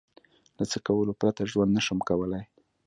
له څه کولو پرته ژوند نشم کولای؟